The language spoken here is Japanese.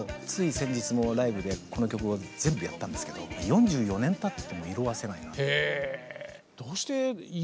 先日もライブでこの曲を全部やったんですけど４４年たっても色あせない。